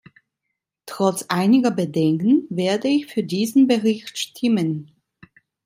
Trotz einiger Bedenken werde ich für diesen Bericht stimmen.